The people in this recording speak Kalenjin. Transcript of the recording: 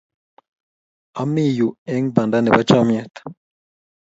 ami yu ing' banda nebo chamiet